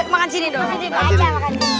makan di sini